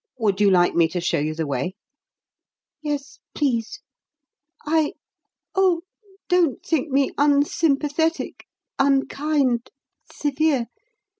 Would you like me to show you the way?" "Yes, please. I oh, don't think me unsympathetic, unkind, severe.